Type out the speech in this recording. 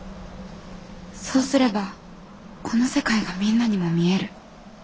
そうすればこの世界がみんなにも見える。